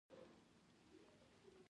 هغوی د ژمنې په بڼه آرمان سره ښکاره هم کړه.